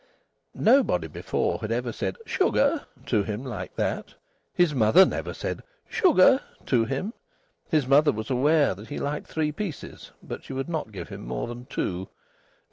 Nobody before had ever said "Sugar?" to him like that. His mother never said "Sugar?" to him. His mother was aware that he liked three pieces, but she would not give him more than two.